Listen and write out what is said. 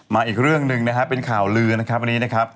อีกเรื่องหนึ่งนะครับเป็นข่าวลือนะครับวันนี้นะครับ